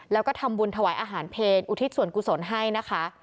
แล้วก็ทำบุญถวายอาหารเพลอุทิศส่วนกุศลให้นะคะ